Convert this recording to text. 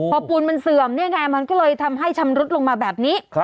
พอปูนมันเสื่อมเนี่ยไงมันก็เลยทำให้ชำรุดลงมาแบบนี้